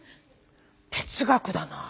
哲学だな。